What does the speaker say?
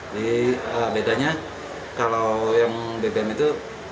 jadi bedanya kalau yang bbm itu